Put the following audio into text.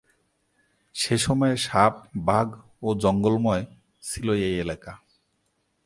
সে সময়ে সাপ, বাঘ ও জঙ্গলময় ছিলো এই এলাকা।